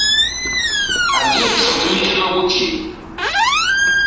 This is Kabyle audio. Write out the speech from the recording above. Ɛeddi ad teččeḍ imi yeḥma wučči!